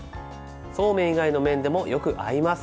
そうめん以外の麺でもよく合います。